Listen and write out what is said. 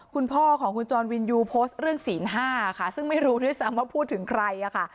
คุณพ่อของคุณจรวินยูโพสต์เรื่องศีล๕ค่ะซึ่งไม่รู้ด้วยซ้ำว่าพูดถึงใครค่ะ